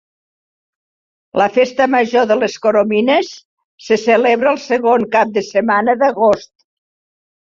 La festa major de les Coromines, se celebra el segon cap de setmana d'agost.